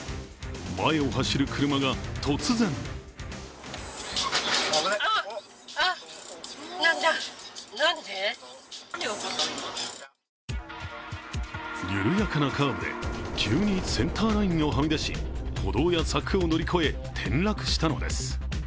前を走る車が突然緩やかなカーブで急にセンターラインをはみ出し、歩道や柵を乗り越え転落したのです。